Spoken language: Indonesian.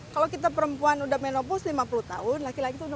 kalau kita perempuan sudah menopos lima puluh tahun laki laki itu enam puluh